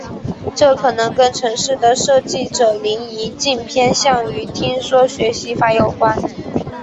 这可能跟程式的设计者林宜敬偏向于听说学习法有关。